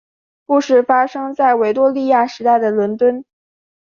故事发生在维多利亚时代的伦敦。